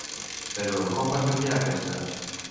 Però, com va canviar aquesta?